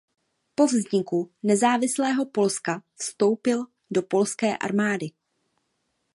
Po vzniku nezávislého Polska vstoupil do Polské armády.